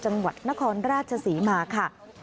จังหวัดนครราชศรีมาค่ะ